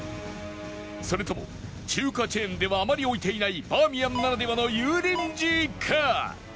それとも中華チェーンではあまり置いていないバーミヤンならではの油淋鶏か？